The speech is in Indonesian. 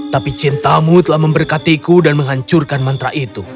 tapi cintamu telah memberkatiku dan menghancurkan mantra itu